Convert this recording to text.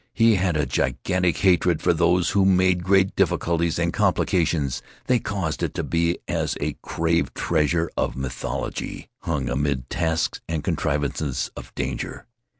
He had a gigantic hatred for those who made great difficulties and complications. They caused it to be as a craved treasure of mythology, hung amid tasks and contrivances of danger.